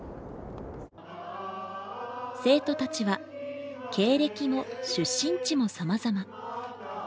生徒たちは経歴も出身地もさまざま。